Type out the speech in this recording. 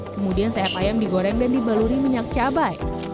kemudian sayap ayam digoreng dan dibaluri minyak cabai